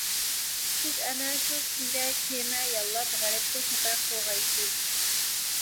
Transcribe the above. سىز ئەنە شۇ كۈنگە كېمە ياللاپ غەربكە سەپەر قىلغايسىز.